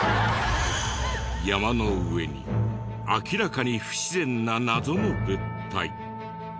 山の上に明らかに不自然な謎の物体。